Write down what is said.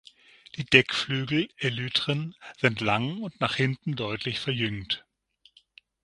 Die Deckflügel (Elytren) sind lang und nach hinten deutlich verjüngt.